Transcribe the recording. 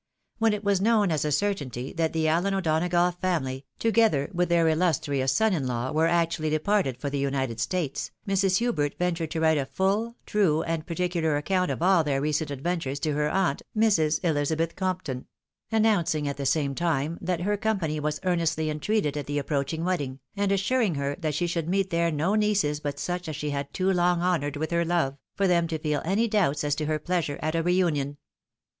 When it was known as a certainty that the Allen O'Donagough family, together with their illustrious son in law, were actually departed for the United States, Mrs. Hubert ven tured to write a full, true, and particular account of aU their recent adventures to her aunt, Mrs. Elizabeth Compton ; announcing at the same time that her company was earnestly entreated at the approaching wedding, and assuring her that she should meet there no nieces but such as she had too long honoured with her love, for them to feel any doubts as to her pleasure at a reunion.